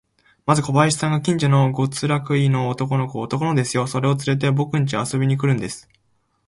まず小林さんが、近所の五つくらいの男の子を、男の子ですよ、それをつれて、ぼくんちへ遊びに来るんです。